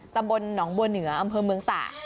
ตำบลหนองบัวเหนืออำเภอเมืองตาก